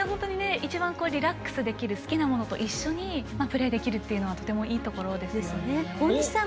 一番リラックスできる好きなものと一緒にプレーできるというのはとてもいいところですね。